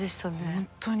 本当に。